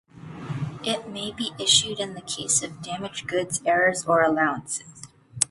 It may be issued in the case of damaged goods, errors or allowances.